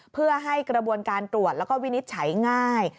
เพื่อให้กระบวนการตรวจแล้วก็วินิจฉัยง่าย